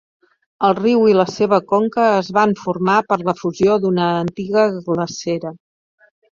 El riu i la seva conca es van formar per la fusió d'una antiga glacera.